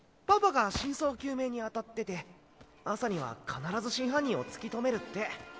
パパが真相究明に当たってて朝には必ず真犯人を突き止めるって。